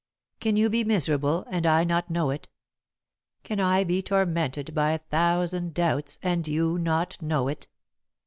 Can you be miserable, and I not know it? Can I be tormented by a thousand doubts, and you not know it?